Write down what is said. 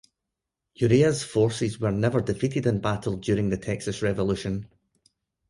Urrea's forces were never defeated in battle during the Texas Revolution.